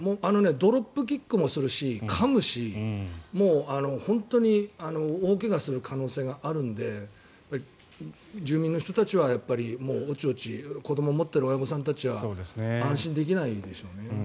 ドロップキックもするしかむし本当に大怪我する可能性があるので住民の人たちはおちおち子どもを持っている親御さんたちは安心できないでしょうね。